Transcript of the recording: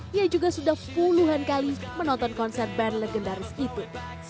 dia juga sudah puluhan kali menonton konser band legendaris itu